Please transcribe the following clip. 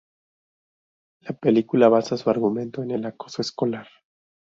La película basa su argumento en el acoso escolar.